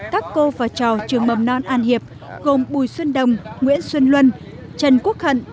các cô và trò trường mầm non an hiệp gồm bùi xuân đồng nguyễn xuân luân trần quốc hận